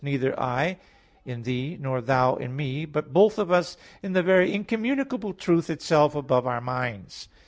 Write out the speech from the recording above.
neither I in thee, nor thou in me; but both of us in the very incommutable truth itself above our minds."